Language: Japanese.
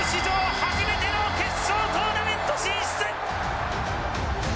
初めての決勝トーナメント進出！